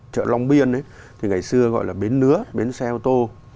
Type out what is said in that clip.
chợ long biên thì ngày xưa gọi là bến nứa bến xe ô tô